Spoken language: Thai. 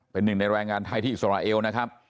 เป็นหนึ่งในแรงงานไทยที่อิสราเอลนะครับ